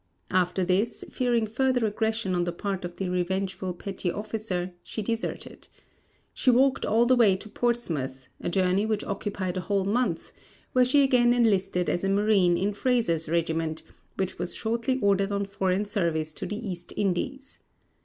After this, fearing further aggression on the part of the revengeful petty officer she deserted. She walked all the way to Portsmouth a journey which occupied a whole month where she again enlisted as a marine in Fraser's regiment, which was shortly ordered on foreign service to the East Indies.